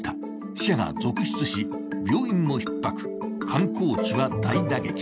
死者が続出し、病院もひっ迫、観光地は大打撃。